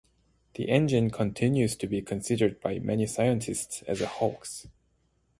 The engine continues to be considered by many scientists as a hoax.